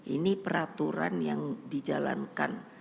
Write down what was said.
ini peraturan yang dijalankan